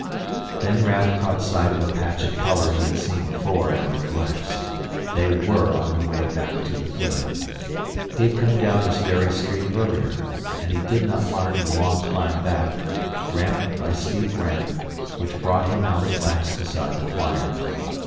Then Raf caught sight of a patch of color he had seen before and relaxed. They were on their way back to the flitter! He had come down this very street earlier. And he did not mind the long climb back, ramp by steep ramp, which brought him out at last beside the flyer.